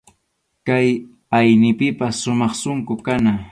Kay aynipipas sumaq sunqu kana.